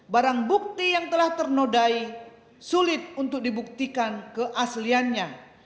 barang bukti yang telah ternodai sulit untuk dibuktikan keasliannya